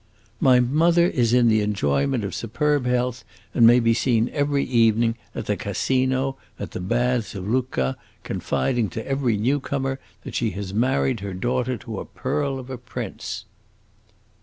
"My mother is in the enjoyment of superb health, and may be seen every evening at the Casino, at the Baths of Lucca, confiding to every new comer that she has married her daughter to a pearl of a prince."